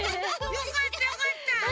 よかったよかった！